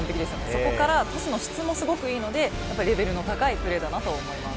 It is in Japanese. そこからトスの質もすごくいいのでレベルの高いプレーだなと思います。